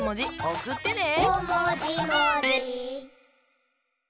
おくってね。